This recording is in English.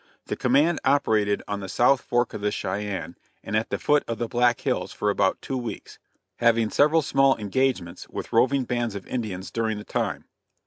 The command operated on the South Fork of the Cheyenne and at the foot of the Black Hills for about two weeks, having several small engagements with roving bands of Indians during the time.